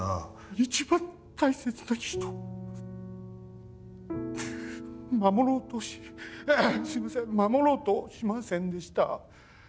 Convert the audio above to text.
一番大切な人を守ろうとしすみません守ろうと、しませんでした。